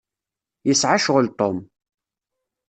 Yesɛa ccɣel Tom.